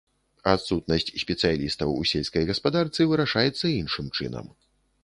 Адсутнасць спецыялістаў у сельскай гаспадарцы вырашаецца іншым чынам.